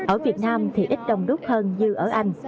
ở việt nam thì ít đông đúc hơn như ở anh